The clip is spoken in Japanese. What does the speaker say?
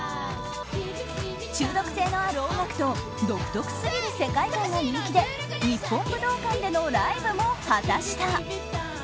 中毒性のある音楽と独特すぎる世界観が人気で日本武道館でのライブも果たした。